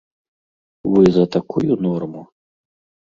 Вы за такую норму?